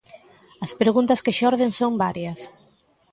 As preguntas que xorden son varias.